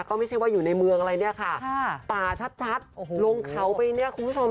ก็ไม่ใช่ว่าอยู่ในเมืองอะไรเนี่ยค่ะป่าชัดลงเขาไปเนี่ยคุณผู้ชม